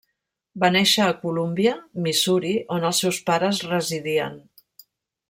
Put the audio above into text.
Va néixer a Columbia, Missouri, on els seus pares residien.